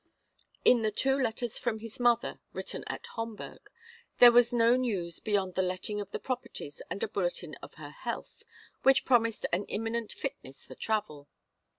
In the two letters from his mother, written at Homburg, there was no news beyond the letting of the properties and a bulletin of her health, which promised an imminent fitness for travel.